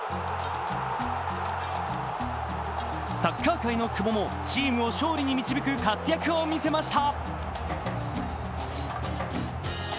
サッカー界の久保もチームを勝利に導く活躍を見せました。